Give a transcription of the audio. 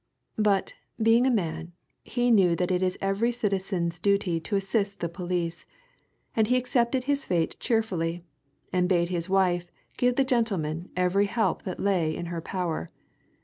But, being a man, he knew that it is every citizen's duty to assist the police, and he accepted his fate cheerfully, and bade his wife give the gentlemen every help that lay in her power.